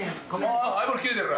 あハイボール切れてる？